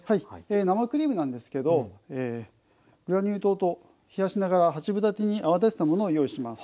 生クリームなんですけどグラニュー糖と冷やしながら八分立てに泡立てたものを用意します。